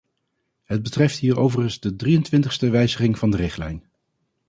Het betreft hier overigens de drieëntwintigste wijziging van de richtlijn.